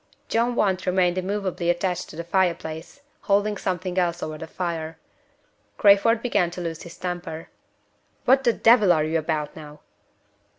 John Want remained immovably attached to the fire place, holding something else over the fire. Crayford began to lose his temper. "What the devil are you about now?"